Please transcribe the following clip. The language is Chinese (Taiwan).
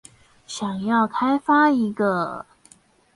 想要開發一個